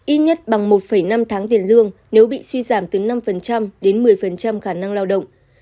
ít nhất bằng một năm tháng tiền lương nếu bị suy giảm từ năm đến một mươi khả năng lao động